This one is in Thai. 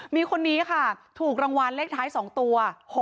มีคนนี้ค่ะถูกรางวัลเลขท้าย๒ตัว๖๖